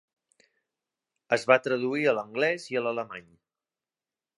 Es va traduir a l"anglès i a l"alemany.